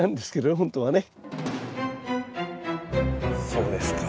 そうですか。